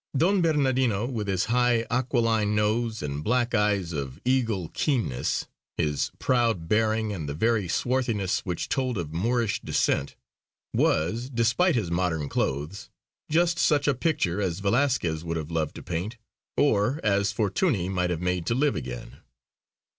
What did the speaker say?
Don Bernardino, with his high aquiline nose and black eyes of eagle keenness, his proud bearing and the very swarthiness which told of Moorish descent, was, despite his modern clothes, just such a picture as Velasquez would have loved to paint, or as Fortuny might have made to live again.